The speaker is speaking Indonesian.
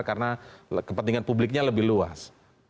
karena kepentingan publiknya lebih luas